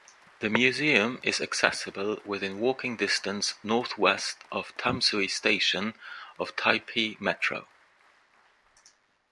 The museum is accessible within walking distance northwest of Tamsui Station of Taipei Metro.